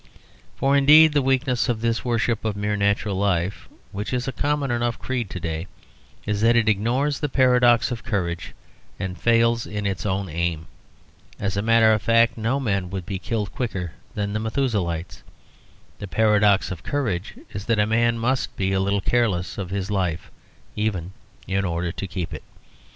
For, indeed, the weakness of this worship of mere natural life (which is a common enough creed to day) is that it ignores the paradox of courage and fails in its own aim. As a matter of fact, no men would be killed quicker than the Methuselahites. The paradox of courage is that a man must be a little careless of his life even in order to keep it.